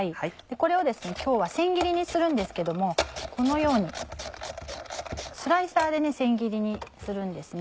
これを今日はせん切りにするんですけどもこのようにスライサーでせん切りにするんです。